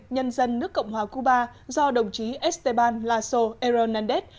nhân dân nước cộng hòa cuba do đồng chí esteban lasso hernández